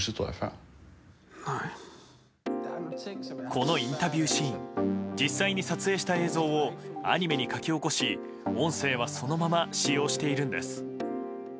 このインタビューシーン実際に撮影した映像をアニメに描き起こし音声はそのまま使用しているんです。